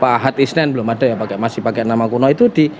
ahad isnen belum ada ya masih pakai nama kuno itu